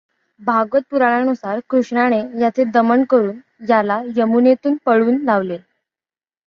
भागवत पुराणानुसार कृष्णाने याचे दमन करून याला यमुनेतून पळवून लावले.